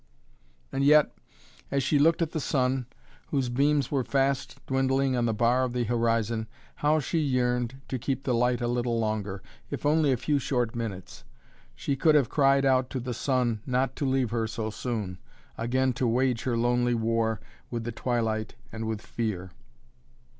And yet, as she looked at the sun, whose beams were fast dwindling on the bar of the horizon, how she yearned to keep the light a little longer, if only a few short minutes. She could have cried out to the sun not to leave her so soon, again to wage her lonely war with the Twilight and with Fear.